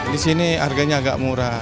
di sini harganya agak murah